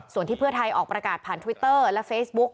ส่วนที่เพื่อไทยออกประกาศผ่านทวิตเตอร์และเฟซบุ๊ก